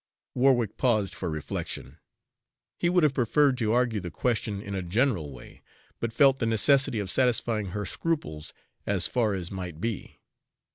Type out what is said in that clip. Warwick paused for reflection. He would have preferred to argue the question in a general way, but felt the necessity of satisfying her scruples, as far as might be.